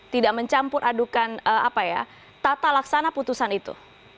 tidak mencampur adukan apa ya tata laksana putusan itu